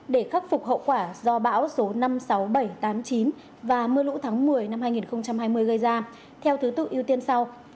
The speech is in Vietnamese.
để khắc phục hậu quả do bão số năm mươi sáu nghìn bảy trăm tám mươi chín và mưa lũ tháng một mươi năm hai nghìn hai mươi gây ra theo thứ tự ưu tiên sau